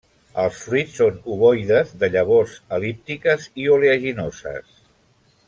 Els fruits són ovoides de llavors el·líptiques i oleaginoses.